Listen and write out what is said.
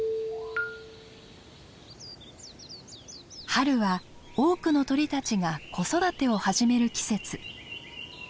春は多くの鳥たちが子育てを始める季節。